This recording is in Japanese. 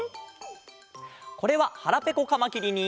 これは「はらぺこカマキリ」に。